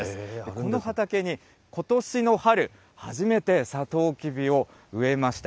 この畑にことしの春、初めてさとうきびを植えました。